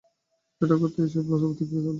সেটা করতে এইসব সর্বত্যাগী সাধুরাই সক্ষম।